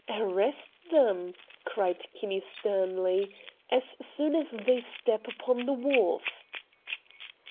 "Arrest them!" cried Kinney sternly, "as soon as they step upon the wharf!"